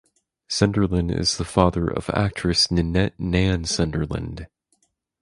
Sunderland is the father of actress Ninette "Nan" Sunderland.